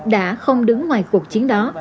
đã không đứng ngoài cuộc chiến đó